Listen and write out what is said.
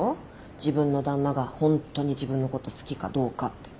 自分の旦那がホントに自分のこと好きかどうかって。